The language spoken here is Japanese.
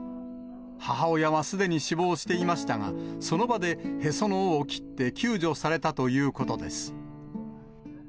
母親はすでに死亡していましたが、その場でへその緒を切って救助されたということです。